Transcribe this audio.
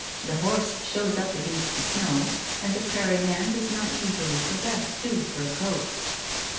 The horse shows up against the snow, and the prairie man does not usually possess two fur coats.